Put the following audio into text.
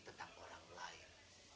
tentang orang lain